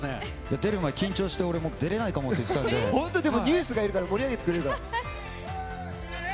出る前に緊張して出れないかもって言ってたのでＮＥＷＳがいるから盛り上げてくれるから。